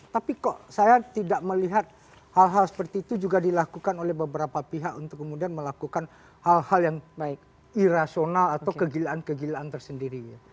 tapi kok saya tidak melihat hal hal seperti itu juga dilakukan oleh beberapa pihak untuk kemudian melakukan hal hal yang irasional atau kegilaan kegilaan tersendiri